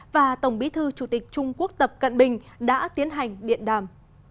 và tổng bí thư chủ tịch trung quốc tập cận bình đã tiến hành điện đàm